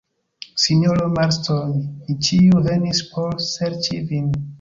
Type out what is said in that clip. Sinjoro Marston, ni ĉiuj venis por serĉi vin.